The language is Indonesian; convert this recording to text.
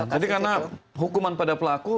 jadi karena hukuman pada pelaku